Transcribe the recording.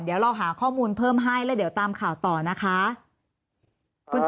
เดี๋ยวเราหาข้อมูลเพิ่มให้แล้วเดี๋ยวตามข่าวต่อนะคะ